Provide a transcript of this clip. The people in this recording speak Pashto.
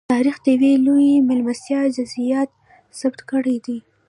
تاریخ د یوې لویې مېلمستیا جزییات ثبت کړي دي.